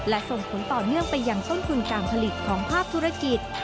และส่งผลต่อเนื่องไปยังต้นทุนการผลิตของภาคธุรกิจ